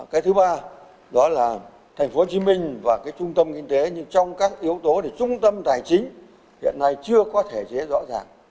cái thứ ba đó là thành phố hồ chí minh và trung tâm kinh tế nhưng trong các yếu tố để trung tâm tài chính hiện nay chưa có thể chế rõ ràng